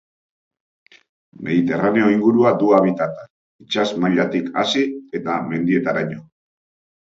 Mediterraneo ingurua du habitata, itsas mailatik hasi eta mendietaraino.